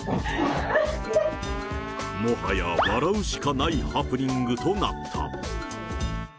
もはや笑うしかないハプニングとなった。